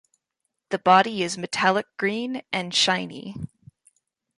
The body is metallic green and shiny.